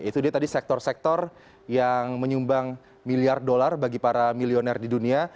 itu dia tadi sektor sektor yang menyumbang miliar dolar bagi para milioner di dunia